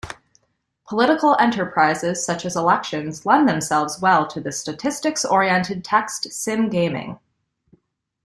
Political enterprises such as elections lend themselves well to the statistics-oriented text sim gaming.